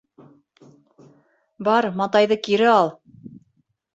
Бар, матайҙы кире ал!